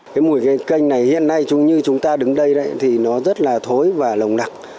cái mùi này hiện nay chúng như chúng ta đứng đây thì nó rất là thối và lồng nặc